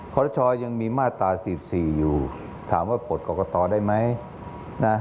ขอทชยังมีมาตรา๔๔อยู่ถามว่าปลดกรกตได้ไหมนะ